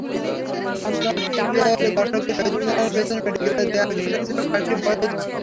পঞ্চাশের দশকে শহীদ মিনারের পেছনে মেডিকেলের দেয়াল ঘেঁষে ছিল কয়েকটি বইয়ের দোকান।